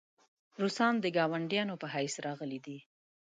روسان د ګاونډیانو په حیث راغلي دي.